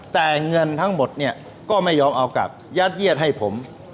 แต่เงินทั้งหมดเนี่ยก็ไม่ยอมเอากลับยัดเยียดให้ผม